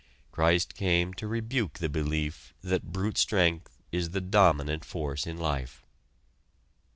Christ came to rebuke the belief that brute strength is the dominant force in life.